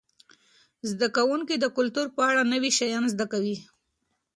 زده کوونکي د کلتور په اړه نوي شیان زده کوي.